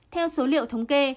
theo số liệu thống kê